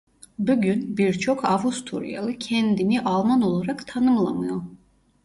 Bu gün birçok Avusturyalı kendini Alman olarak tanımlamıyor.